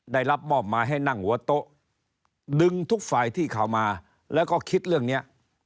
ได้รับมอบมาให้นั่งหัวโต๊ะดึงทุกฝ่ายที่เข้ามาแล้วก็คิดเรื่องนี้